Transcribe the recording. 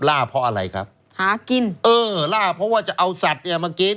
ล่าเพราะอะไรครับหากินเออล่าเพราะว่าจะเอาสัตว์เนี่ยมากิน